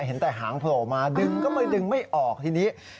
เห็นแต่หางโผล่มาดึงก็ไม่ดึงไม่ออกทีนี้